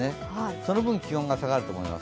その分、気温が下がると思います。